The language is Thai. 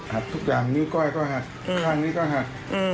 ทุกอย่างนิ้วก้อยก็หักข้างนี้ก็หัก